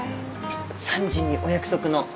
３時にお約束の。